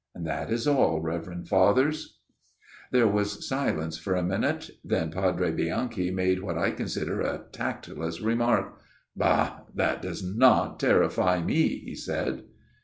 " That is all, Reverend Fathers." There was silence for a minute. Then Padre Bianchi made what I consider a tactless remark. " Bah ! that does not terrify me," he said.